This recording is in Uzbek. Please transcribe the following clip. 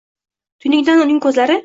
Tuynugidan uning koʻzlari